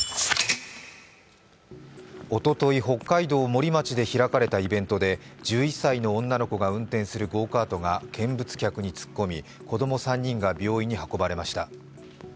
おととい、北海道森町で開かれたイベントで１１歳の女の子が運転するゴーカートが見物客に突っ込み、子供３人が病院に運ばれました。